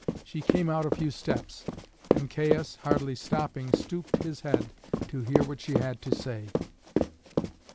She came out a few steps, and Caius, hardly stopping, stooped his head to hear what she had to say.